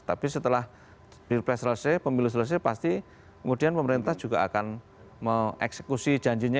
tapi setelah pilpres selesai pemilu selesai pasti kemudian pemerintah juga akan mengeksekusi janjinya